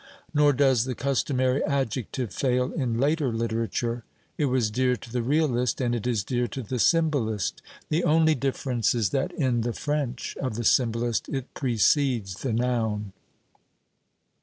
Nor does the customary adjective fail in later literature. It was dear to the Realist, and it is dear to the Symbolist. The only difference is that in the French of the Symbolist it precedes the noun.